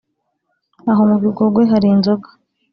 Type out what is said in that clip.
Aho mu Bigogwe hari inzoga